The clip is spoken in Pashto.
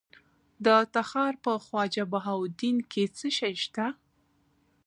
د تخار په خواجه بهاوالدین کې څه شی شته؟